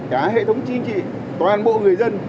cả hệ thống chi trị toàn bộ người dân